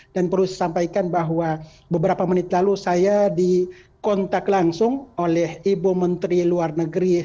dan perlu disampaikan bahwa beberapa menit lalu saya dikontak langsung oleh ibu menteri luar negeri